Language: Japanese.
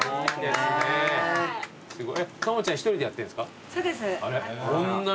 すごい。